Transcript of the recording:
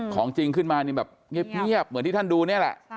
ของจริงขึ้นมานี่แบบเงียบเหมือนที่ท่านดูนี่แหละ